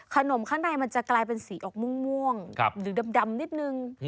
ขนมข้างในมันจะกลายเป็นสีออกม่วงหรือดำนิดนึง